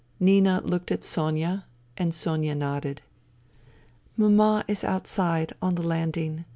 Nina looked at Sonia, and Sonia nodded. " Mama is outside — on the landing.